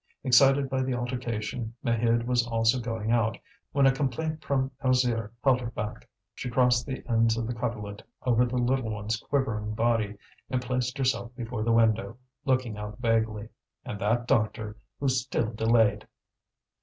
Excited by the altercation, Maheude was also going out, when a complaint from Alzire held her back. She crossed the ends of the coverlet over the little one's quivering body, and placed herself before the window, looking out vaguely. And that doctor, who still delayed!